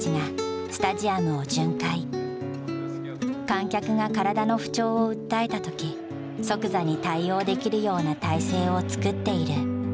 観客が体の不調を訴えた時即座に対応できるような体制を作っている。